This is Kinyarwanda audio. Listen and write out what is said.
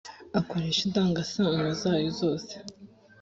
akoresha indangasano zayo zose